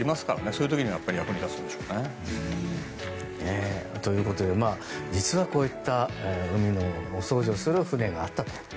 そういう時にはやっぱり役に立つんでしょうね。ということで実は、こういった海のお掃除をする船があったと。